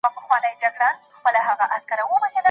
که د طلاق صريح لفظ استعمال سي، بيله نيته طلاق واقع کیږي.